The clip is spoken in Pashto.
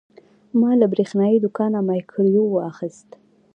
ما له برېښنايي دوکانه مایکروویو واخیست.